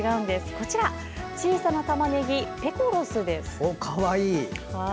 こちら、小さなたまねぎペコロスです。